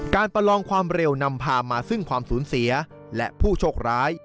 ประลองความเร็วนำพามาซึ่งความสูญเสียและผู้โชคร้าย